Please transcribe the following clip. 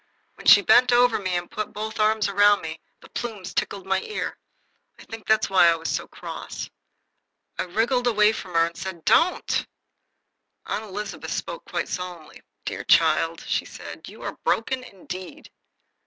When she bent over me and put both arms around me the plumes tickled my ear. I think that was why I was so cross. I wriggled away from her and said: "Don't!" Aunt Elizabeth spoke quite solemnly. "Dear child!" she said, "you are broken, indeed."